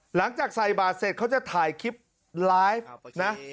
หลังจากใส่บาทเสร็จเขาจะถ่ายคลิปไลฟ์นะ